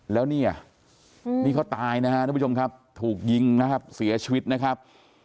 แล้วนี่อ่ะนี่เขาตายนะครับถูกยิงเสียชีวิตนะครับ